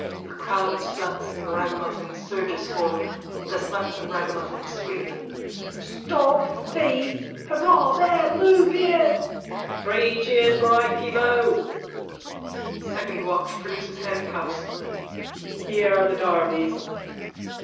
(A crowd of sluts and ragamuffins surges forward.) THE SLUTS AND RAGAMUFFINS: (Screaming.) Stop thief! Hurrah there, Bluebeard! Three cheers for Ikey Mo! SECOND WATCH: (Produces handcuffs.) Here are the darbies.